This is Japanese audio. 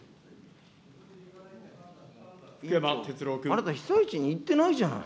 あなた、被災地に行ってないじゃない。